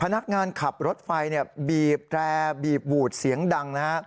พนักงานขับรถไฟบีบแตรบีบวูดเสียงดังนะฮะ